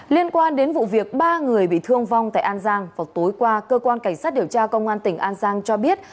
liên quan đến vụ việc ba người bị thương vong tại an giang vào tối qua cơ quan cảnh sát điều tra công an tỉnh an giang cho biết